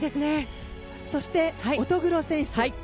そして、乙黒選手。